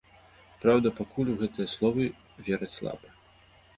Праўда, пакуль у гэтыя словы вераць слаба.